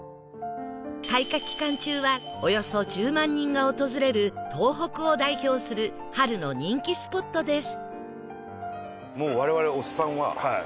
開花期間中はおよそ１０万人が訪れる東北を代表する春の人気スポットです